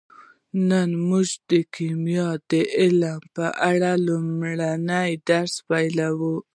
نن موږ د کیمیا د علم په اړه لومړنی درس پیلوو